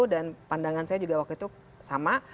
dan pandangan saya juga waktu itu sama